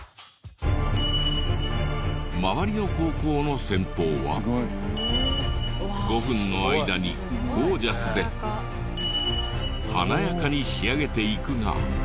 周りの高校の先鋒は５分の間にゴージャスで華やかに仕上げていくが。